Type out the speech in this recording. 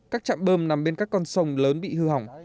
các trạm bơm nằm bên các con sông lớn bị hư hỏng